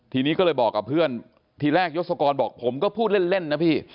ทีนี้ก็เลยบอกกับเพื่อนทีแรกยศกรบอกผมก็พูดเล่นนะพี่